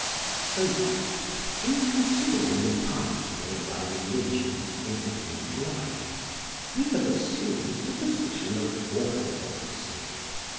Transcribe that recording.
So far, in considering the part played by religion in Greek Life, we have assumed the position of orthodoxy.